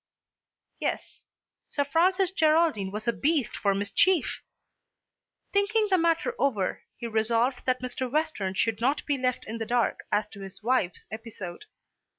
Yes; Sir Francis Geraldine was a beast for mischief! Thinking the matter over, he resolved that Mr. Western should not be left in the dark as to his wife's episode.